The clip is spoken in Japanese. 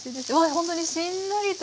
ほんとにしんなりと。